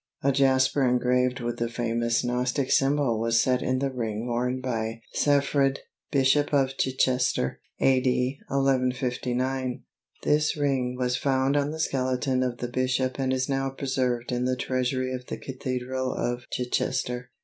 A jasper engraved with the famous Gnostic symbol was set in the ring worn by Seffrid, Bishop of Chichester (A.D. 1159). This ring was found on the skeleton of the bishop and is now preserved in the treasury of the Cathedral of Chichester.